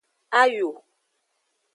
Ayo.